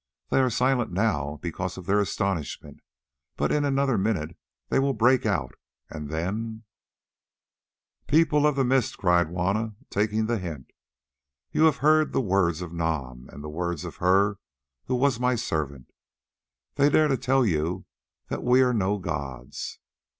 They are silent now because of their astonishment, but in another minute they will break out, and then——" "People of the Mist," cried Juanna, taking the hint, "you have heard the words of Nam and the words of her who was my servant. They dare to tell you that we are no gods.